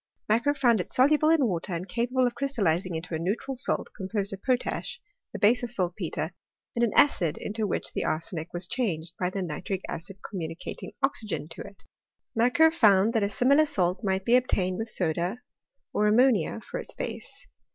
Macquer found it soluble in water and capable of crystallizing into a neutral salt composed of potash (the base of saltpetre), and an acid into which the arsenic was changed by the nitric acid com^ municating oxygen to it. Macquer found that a similar salt might be obtained with soda or ammonia for its base.